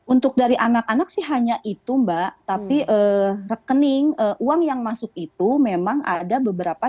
untuk dari anak anak sih hanya itu mbak tapi rekening uang yang masuk itu memang ada beberapa